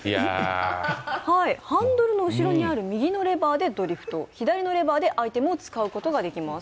ハンドルの後ろにある右のレバーでドリフト左のレバーでアイテムを使うことができます。